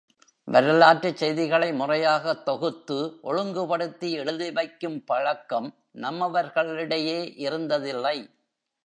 வரலாற்றுச் செய்திகளை முறையாகத் தொகுத்து ஒழுங்குபடுத்தி எழுதி வைக்கும் பழக்கம் நம்மவர்களிடையே இருந்ததில்லை.